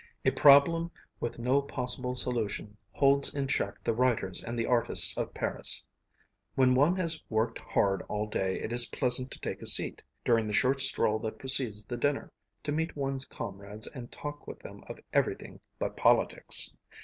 A problem with no possible solution holds in check the writers and the artists of Paris. When one has worked hard all day it is pleasant to take a seat, during the short stroll that precedes the dinner, to meet one's comrades and talk with them of everything but politics.